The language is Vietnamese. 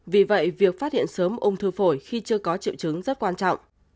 vì vậy việc phát hiện sớm ung thư phổi khi chưa có triệu chứng rất quan trọng